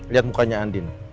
liat mukanya andin